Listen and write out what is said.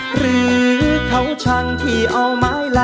หรือเขาช่างที่เอาไม้ละ